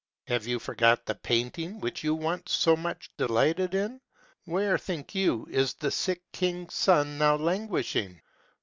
Have you forgot the painting which you once so much delighted in ? Where, think you, is the sick king's son now languishing?"